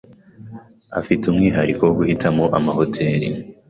Afite umwihariko wo guhitamo amahoteri.